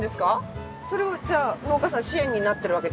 それじゃあ農家さん支援になってるわけですね。